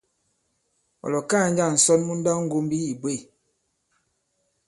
Ɔ̀ lɔ̀kaa njâŋ ǹsɔn mu nndawŋgombi ǐ bwě ?